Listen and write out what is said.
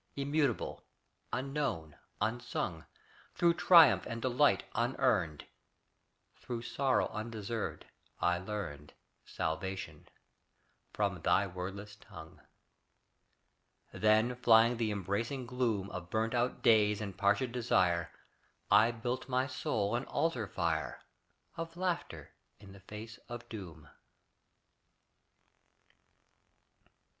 Immutable, unknown, unsung, Through triumph and delight unearned, Through sorrow undeserved, I learned Salvation from thy wordless tongue. Then flying the embracing gloom Of burnt out days and parched desire, I built my soul an altar fire Of laughter in the face of doom.